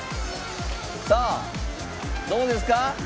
さあどうですか？